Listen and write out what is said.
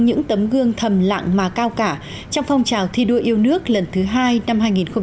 những tấm gương thầm lạng mà cao cả trong phong trào thi đua yêu nước lần thứ hai năm hai nghìn một mươi sáu